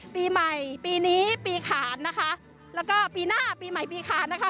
ปีใหม่ปีนี้ปีขาดนะคะแล้วก็ปีหน้าปีใหม่ปีขาดนะคะ